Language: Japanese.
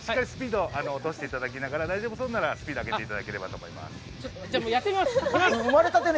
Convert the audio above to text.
スピードを落としていただきながら大丈夫そうならスピードを上げていただければと思います。